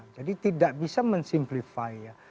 jadi tidak bisa mensimplify ya